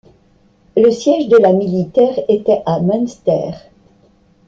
Le siège de la militaire était à Münster.